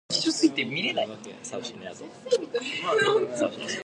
Thrift issued a written statement that denounced the alleged violence.